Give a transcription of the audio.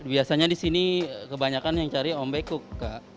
biasanya di sini kebanyakan yang cari ombekuk kak